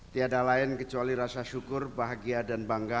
tiada lain kecuali rasa syukur bahagia dan bangga